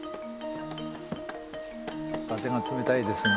風が冷たいですが。